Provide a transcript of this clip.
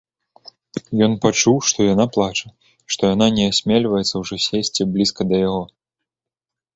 Ён пачуў, што яна плача, што яна не асмельваецца ўжо сесці блізка да яго.